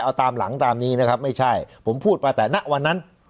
เอาตามหลังตามนี้นะครับไม่ใช่ผมพูดมาแต่ณวันนั้น